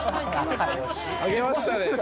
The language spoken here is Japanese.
あげましたね。